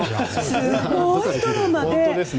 すごいドラマで。